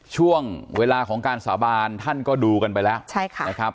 ช่วงเวลาของการสาบานท่านก็ดูกันไปแล้วใช่ค่ะนะครับ